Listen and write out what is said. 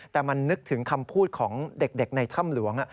แต่มันนึกถึงคำพูดของเด็กในถ้ำหลวง